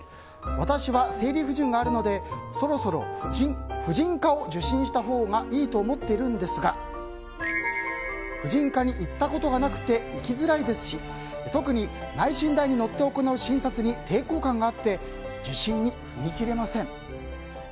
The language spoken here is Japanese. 私は生理不順があるのでそろそろ婦人科を受診したほうがいいと思っているんですが婦人科に行ったことがなくて行きづらいですし特に、内診台に乗って行う診察に抵抗感があって受診に踏み切れません。